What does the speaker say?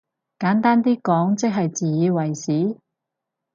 簡單啲講即係自以為是？